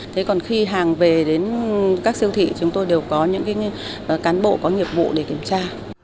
thế còn khi hàng về đến các siêu thị chúng tôi đều có những cán bộ có nghiệp vụ để kiểm tra